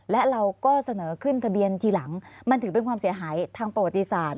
และเราก็เสนอขึ้นทะเบียนทีหลังมันถือเป็นความเสียหายทางประวัติศาสตร์